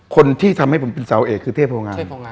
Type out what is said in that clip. คนที่ทำให้ผมเป็นสาวเอกคือเทพโรงงาน